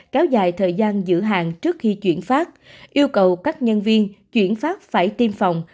kéo dài thời gian giữ hàng trước khi chuyển phát yêu cầu các nhân viên chuyển phát phải tiêm phòng